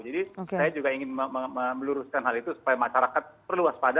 jadi saya juga ingin meluruskan hal itu supaya masyarakat perlu waspada